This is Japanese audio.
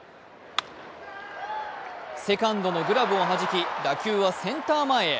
セカンドのグラブをはじき打球はセンター前へ。